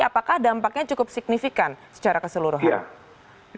apakah dampaknya cukup signifikan secara keseluruhan